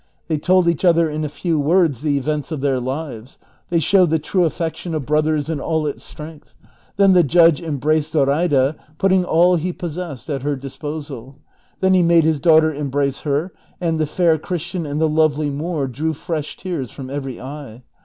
They told each other in a few words the events of their lives ; they showed the true affection of brothers in all its strength ; then the judge embraced Zoraida, putting all he possessed at her disposal ; then he made his daughter embrace her, and the fair Christian and the lovely ]\Ioor drew fresh tears from every eye.